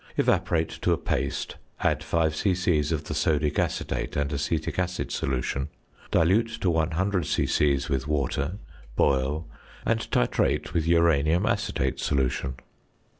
Evaporate to a paste, add 5 c.c. of the sodic acetate and acetic acid solution, dilute to 100 c.c. with water, boil, and titrate with uranium acetate solution.